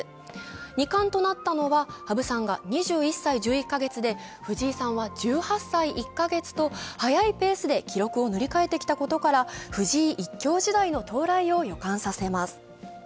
二冠となったのは羽生さんが２１歳１１カ月で藤井さんは１８歳１カ月と早いペースで記録を塗り替えてきたことから藤井１強時代の到来を予感させます。